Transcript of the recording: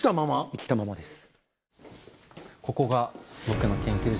生きたままです。